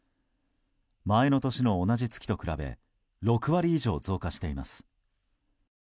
前の年の同じ月と比べ６割以上増加しています。